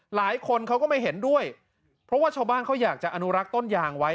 หลายคนเขาก็ไม่เห็นด้วยเพราะว่าชาวบ้านเขาอยากจะอนุรักษ์ต้นยางไว้